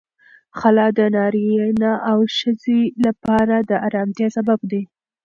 خلع د نارینه او ښځې لپاره د آرامتیا سبب دی.